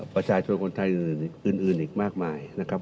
ประชาชนคนไทยอื่นอีกมากมายนะครับ